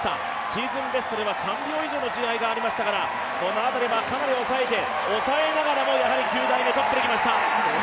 シーズンベストでは３秒以上の違いがありましたから、この辺りは、かなり抑えて、抑えながらきました。